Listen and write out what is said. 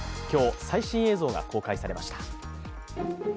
今日、最新映像が公開されました。